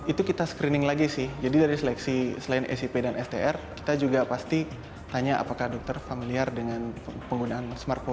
itu kita screening lagi sih jadi dari seleksi selain sip dan str kita juga pasti tanya apakah dokter familiar dengan penggunaan smartphone